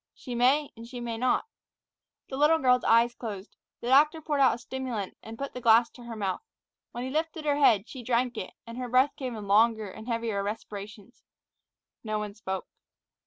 "She may and she may not." The little girl's eyes closed. The doctor poured out a stimulant, and put the glass to her mouth. When he lifted her head, she drank it, and her breath came in longer and heavier respirations. No one spoke.